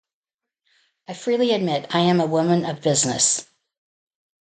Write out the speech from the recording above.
I freely admit, I am a woman of business.